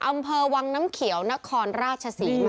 อำเภอวังน้ำเขียวนครราชศรีมา